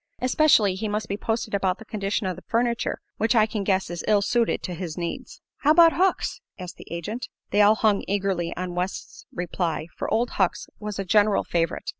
Especially he must be posted about the condition of the furniture, which I can guess is ill suited to his needs." "How 'bout Hucks?" asked the agent. They all hung eagerly on West's reply, for Old Hucks was a general favorite.